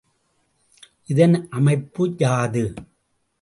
இதன் அமைப்பு யாது?